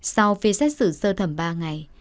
sau phía xét xử sơ thẩm ba ngày